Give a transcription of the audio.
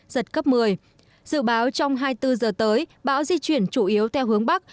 giật cấp một mươi dự báo trong hai mươi bốn giờ tới bão di chuyển chủ yếu theo hướng bắc